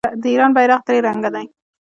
د ایران بیرغ درې رنګه دی.